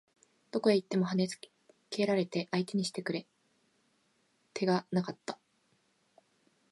どこへ行っても跳ね付けられて相手にしてくれ手がなかった